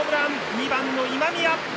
２番の今宮！